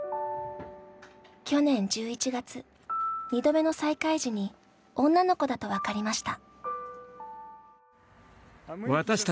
去年１１月、２度目の再会時に女の子だと分かりました。